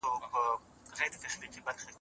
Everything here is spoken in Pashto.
سپورت د مفصلونو خوندي ساتلو لپاره اړین دی.